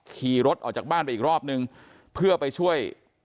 ขี่รถออกจากบ้านไปอีกรอบนึงเพื่อไปช่วย